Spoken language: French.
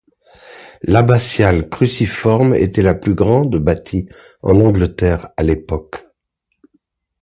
L’abbatiale cruciforme était la plus grande bâtie en Angleterre à l’époque.